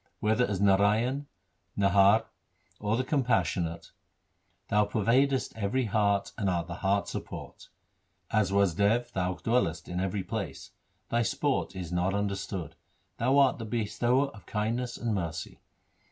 Whether as Narayan, Narhar, or the Compassionate, Thou pervadest every heart and art the heart's support. As Wasdev Thou dwellest in every place. Thy sport is not understood. Thou art the Bestower of kindness and mercy.